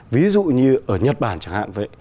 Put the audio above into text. ví dụ như ở nhật bản chẳng hạn